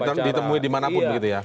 yang bisa ditemui dimanapun begitu ya